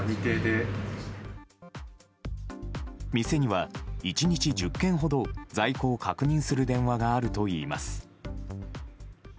店には１日１０件ほど在庫を確認する電話があるといいます。